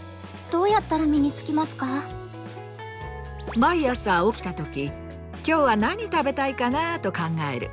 毎朝起きたとき「今日は何食べたいかなあ」と考える。